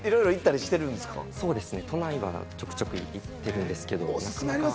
都内はちょくちょく行ってるんですけど。